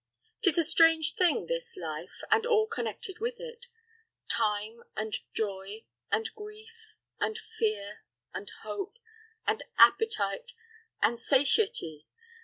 'Tis a strange thing, this life, and all connected with it time, and joy, and grief, and fear, and hope, and appetite, and satiety!